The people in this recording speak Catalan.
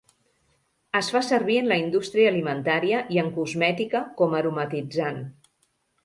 Es fa servir en la indústria alimentària i en cosmètica com aromatitzant.